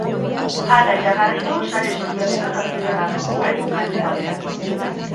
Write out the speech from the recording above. Hala iragarri du sare sozialetan argitaratu duen mezu batean.